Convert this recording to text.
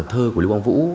thơ của lưu quang vũ